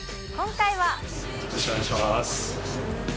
よろしくお願いします。